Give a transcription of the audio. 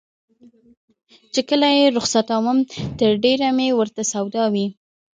چې کله یې رخصتوم تر ډېره مې ورته سودا وي.